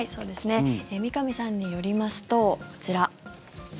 三上さんによりますとこちら。